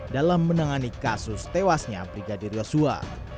dalam menangani kasus tewasnya brigadir yosua